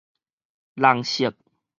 人色